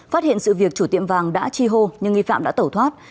phát hiện sự việc chủ tiệm vàng đã chi hô nhưng nghi phạm đã tẩu thoát